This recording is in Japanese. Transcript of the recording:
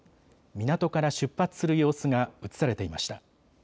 港から出発する様子が映されていました。